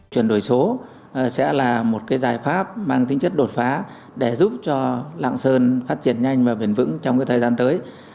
chuyển đổi số sẽ là một giải pháp mang tính chất đột phá để giúp cho lạng sơn phát triển nhanh và bền vững trong thời gian tới